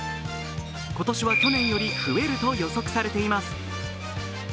今年は、去年より増えると予測されています。